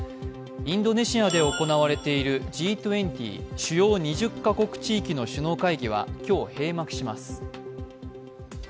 インドネシアで行われているＧ２０＝主要２０か国・地域の首脳会議は今日、閉幕します。